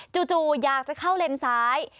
จู่อยากจะเข้าเลนซ้าย